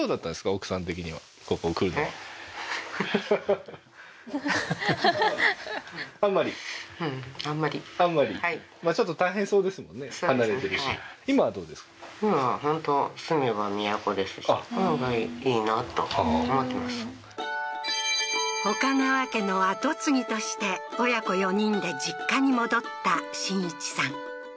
岡川家の跡継ぎとして親子４人で実家に戻った真一さん